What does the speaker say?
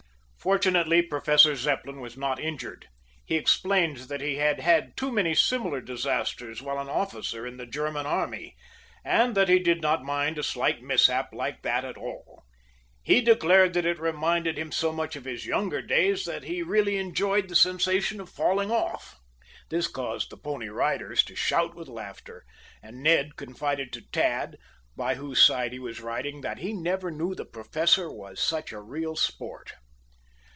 Fortunately, Professor Zepplin was not injured. He explained that he had had too many similar disasters while an officer in the German army, and that he did not mind a slight mishap like that at all. He declared that it reminded him so much of his younger days that he really enjoyed the sensation of falling off. This caused the Pony Riders to shout with laughter, and Ned confided to Tad, by whose side he was riding, that he never knew the Professor was such a real sport.